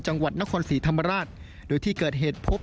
จังหวัดนครศรีธรรมราชโดยที่เกิดเหตุพบ